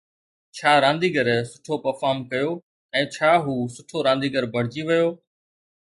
ڇا رانديگر سٺو پرفارم ڪيو ۽ ڇا هو سٺو رانديگر بڻجي ويو